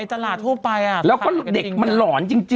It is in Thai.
แต่ก็ดูเด็กมันหลอนจริงก็มี